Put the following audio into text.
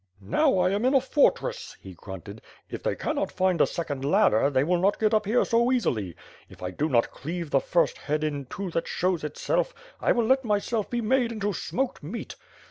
' "Now I am in a fortress!" he grunted. "If they cannot find a second ladder, they will not get up here so easily. If I do not cleave the first head in two that shows itself, I will let myself be made into smoked meat.